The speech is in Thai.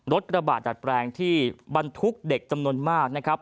กระบาดดัดแปลงที่บรรทุกเด็กจำนวนมากนะครับ